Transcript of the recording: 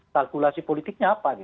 salkulasi politiknya apa